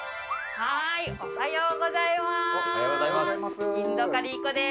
はーい、おはようございます。